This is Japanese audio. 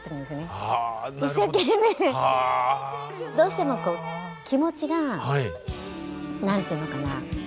どうしてもこう気持ちが何て言うのかな